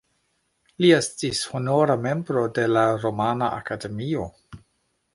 Li estis honora membro de la Rumana Akademio.